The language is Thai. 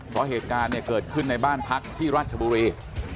เพราะเหตุการณ์เกิดขึ้นในบ้านพักที่ราชบุรี